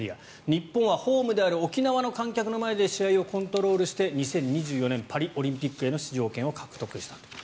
日本はホームである沖縄の観客の前で試合をコントロールして２０２４年パリオリンピックへの出場権を獲得したと。